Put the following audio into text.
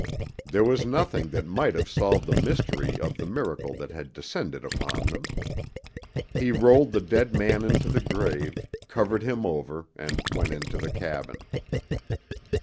There was nothing that might solve the mystery of the miracle that had descended upon them. He rolled the dead man into the grave, covered him over, and went into the cabin.